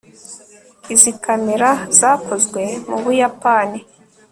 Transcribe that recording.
izi kamera zakozwe mu buyapani